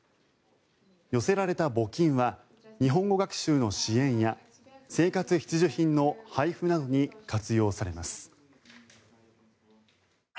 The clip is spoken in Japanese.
寄せられた募金は日本語学習の支援や生活必需品の配布などに活用されます。